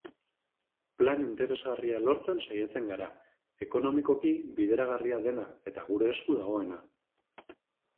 Plan interesgarria lortzen saiatzen gara, ekonomikoki bideragarria dena eta gure esku dagoena.